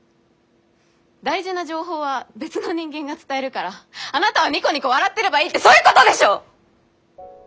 大事な情報は別の人間が伝えるからあなたはニコニコ笑ってればいいってそういうことでしょ！？